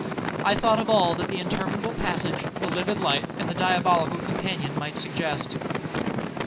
—I thought of all that the interminable passages, the livid light, and the diabolical companion, might suggest.